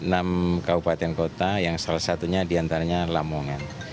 enam kabupaten kota yang salah satunya di antaranya lamongan